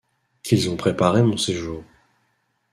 Qu'ils ont préparé mon séjour.